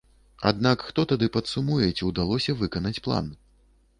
Аднак хто тады падсумуе, ці ўдалося выканаць план?